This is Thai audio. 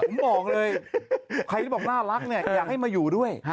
ผมบอกเลยใครที่บอกน่ารักเนี่ยอยากให้มาอยู่ด้วย